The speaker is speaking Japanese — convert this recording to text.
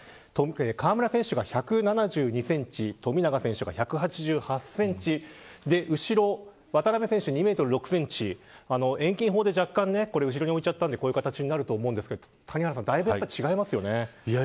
河村選手が１７２センチ富永選手が１８８センチ後ろ、渡邊選手２メートル６センチ遠近法で若干後ろに置いちゃったんでこういう形になると思うんですがだいぶ違いますよね。